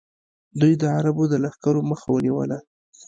دوی د عربو د لښکرو مخه ونیوله